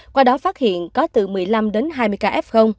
qua đó phát hiện có từ một mươi năm hai mươi kf